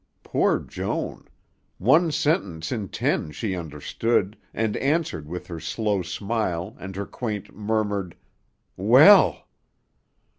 Poor Joan! One sentence in ten she understood and answered with her slow smile and her quaint, murmured, "Well!"